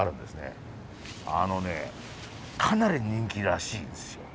あのねかなり人気らしいですよ。